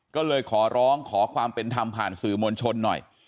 ก็เลยขอร้องขอความเป็นธรรมผ่านสื่อมวลชนหน่อย